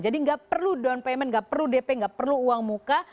jadi gak perlu down payment gak perlu dp gak perlu uang muka